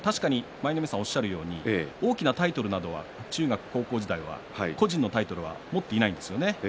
舞の海さんおっしゃるように大きなタイトルは中学高校時代は個人では取っていないんですよね。